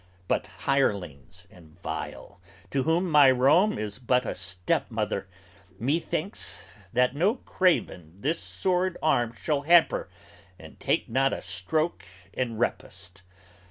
But hirelings, and vile, to whom my Rome is but a Stepmother! Methinks that no craven this sword arm shall hamper And take not a stroke in repost.